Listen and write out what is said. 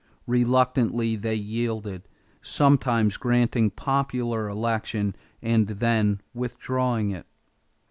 Reluctantly they yielded, sometimes granting popular election and then withdrawing it.